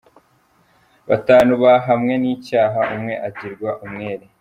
Batanu bahamwe n’icyaha umwe agirwa umwere.